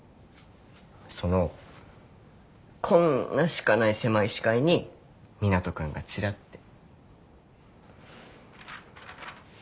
そのこんなしかない狭い視界に湊斗君がちらって。